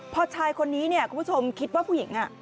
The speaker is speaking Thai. พอชายคนนี้เนี่ยคุณผู้ชมคิดว่าผู้หญิง